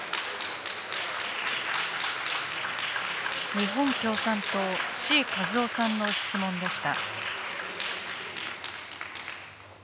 日本共産党、志位和夫さんの質問でした。